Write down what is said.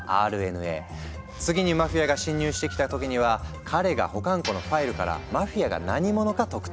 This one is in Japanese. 次にマフィアが侵入してきた時には彼が保管庫のファイルからマフィアが何者か特定。